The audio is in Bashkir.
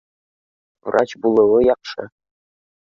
Врач булыуы яҡшы